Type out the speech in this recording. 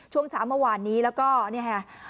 ช่วงช้าเมื่อวานนี้และก็นี่ฮะ